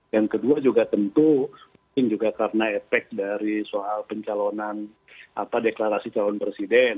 yang kedua juga tentu mungkin juga karena efek dari soal pencalonan deklarasi calon presiden